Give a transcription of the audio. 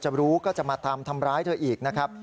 รู้ก็จะมาตามทำร้ายเธออีกนะครับ